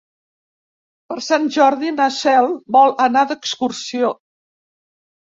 Per Sant Jordi na Cel vol anar d'excursió.